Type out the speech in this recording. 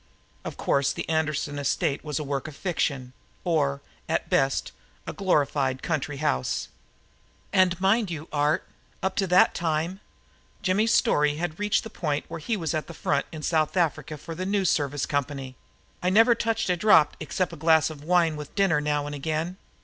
Of course the Anderson estate was a work of fiction, or, at best, a glorified country house. "And mind you, Art, up to that time," Jimmy's story had reached the point where he was at the front in South Africa for the news service company, "I had never touched a drop except a glass of wine with dinner now and again.